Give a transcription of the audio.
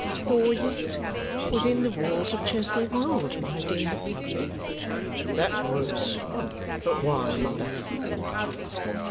"Nor yet within the walls of Chesney Wold, my dear." "That's worse. But why, mother?"